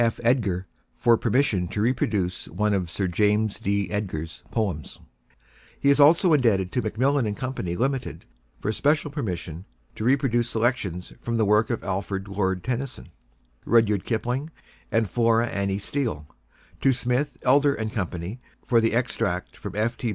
F. Edgar for permission to reproduce one of Sir James D. Edgar's poems. He is also indebted to Macmillan & Co., Limited, for special permission, to reproduce selections from the works of Alfred, Lord Tennyson, Rudyard Kipling, and Flora Annie Steel; to Smith, Elder & Co., for the extract from F. T.